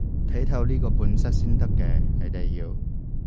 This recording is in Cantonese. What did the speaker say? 睇透呢個本質先得嘅，你哋要